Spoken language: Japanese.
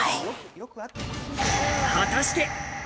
果たして。